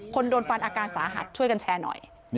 คนโดนฟันอาการสาหัสช่วยกันแชร์หน่อย